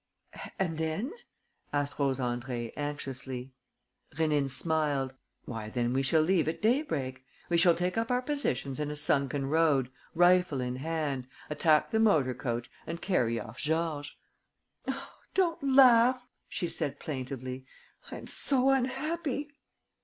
"And then?" asked Rose Andrée, anxiously. Rénine smiled: "Why, then we shall leave at daybreak. We shall take up our positions in a sunken road, rifle in hand, attack the motor coach and carry off Georges!" "Oh, don't laugh!" she said, plaintively. "I am so unhappy!"